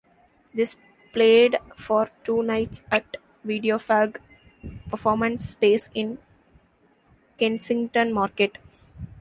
This played for two nights at Videofag performance space in Kensington Market.